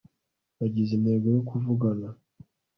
nagize intego yo kuvugana